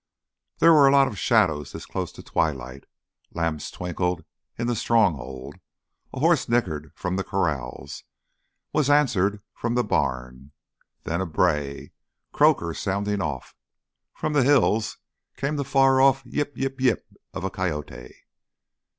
There were a lot of shadows this close to twilight. Lamps twinkled in the Stronghold. A horse nickered from the corrals, was answered from the barn. Then a bray—Croaker sounding off. From the hills came the far off yip yip yip of a coyote.